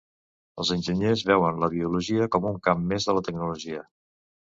Els enginyers veuen la biologia com un camp més de la tecnologia.